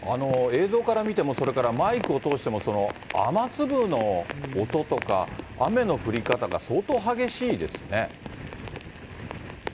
映像から見ても、それからマイクを通しても、雨粒の音とか、雨の降り方が相当激しいですね。